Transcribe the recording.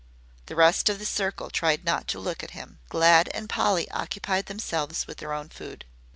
The rest of the circle tried not to look at him. Glad and Polly occupied themselves with their own food.